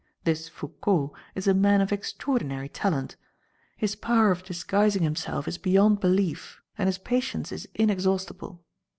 This Foucault is a man of extraordinary talent. His power of disguising himself is beyond belief and his patience is inexhaustible.